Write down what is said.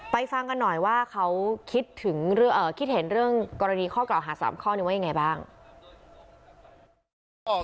ไปฟังกันหน่อยว่าเขาคิดเห็นเรื่องกรณีข้อเก่าหาสามข้อนี้ว่าอย่างไรบ้าง